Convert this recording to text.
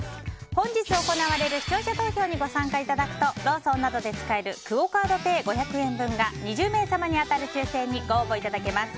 本日行われる視聴者投票にご参加いただくとローソンなどで使えるクオ・カードペイ５００円分が２０名様に当たる抽選にご応募いただけます。